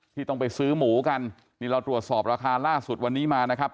ที่ต้องไปซื้อหมูกันนี่เราตรวจสอบราคาล่าสุดวันนี้มานะครับ